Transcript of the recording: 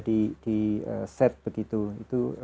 di set begitu itu